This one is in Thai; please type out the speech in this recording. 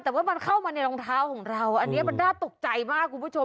แต่ว่ามันเข้ามาในรองเท้าของเราอันนี้มันน่าตกใจมากคุณผู้ชม